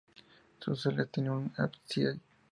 Su cella tenía un ábside.